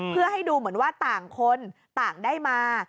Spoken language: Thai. เพื่อให้ดูเหมือนว่าต่างคนต่างได้มา